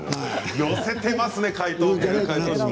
寄せていますね。